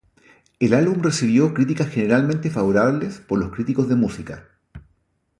El álbum recibió críticas generalmente favorables por los críticos de música.